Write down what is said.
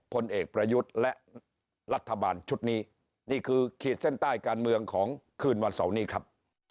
พลเอกประยุทธ์และรัฐบาลชุดนี้นี่คือขีดเส้นใต้การเมืองของคืนวันเสาร์นี้ครับ